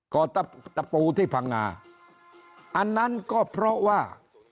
เกาะตะปูที่พังงาอันนั้นก็เพราะว่า